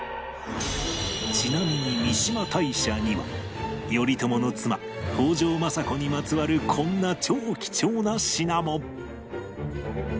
ちなみに三嶋大社には頼朝の妻北条政子にまつわるこんな超貴重な品も！